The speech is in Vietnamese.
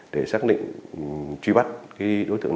để xác định truy bắt đối tượng